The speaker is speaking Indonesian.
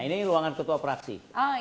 ini ruangan ketua praksi